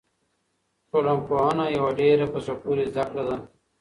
ټولنپوهنه یوه ډېره په زړه پورې زده کړه ده.